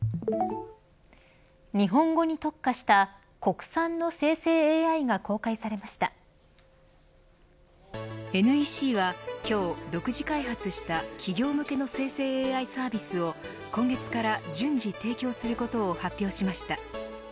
日本語に特化した国産の生成ＡＩがＮＥＣは今日独自開発した企業向けの生成ＡＩサービスを今月から順次提供することを発表しました。